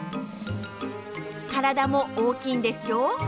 体も大きいんですよ。